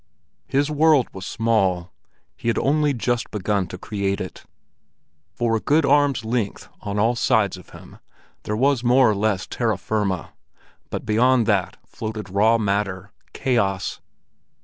His world was small; he had only just begun to create it. For a good arm's length on all sides of him, there was more or less terra firma; but beyond that floated raw matter, chaos.